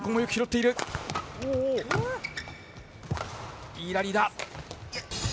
いいラリーだ。